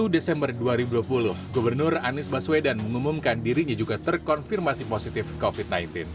dua puluh desember dua ribu dua puluh gubernur anies baswedan mengumumkan dirinya juga terkonfirmasi positif covid sembilan belas